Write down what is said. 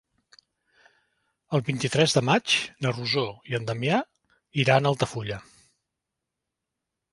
El vint-i-tres de maig na Rosó i en Damià iran a Altafulla.